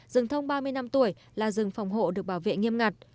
rừng thông ba mươi năm tuổi là rừng phòng hộ được bảo vệ nghiêm ngặt